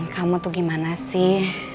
kamu tuh gimana sih